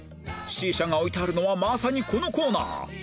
シーシャが置いてあるのはまさにこのコーナー